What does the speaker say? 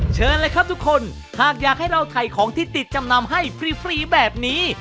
เชิญเลยครับทุกคนหากอยากให้เราถ่ายของที่ติดจำนำให้ฟรีแบบนี้